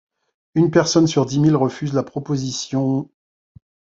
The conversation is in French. Une personne sur dix mille refusent la proposition.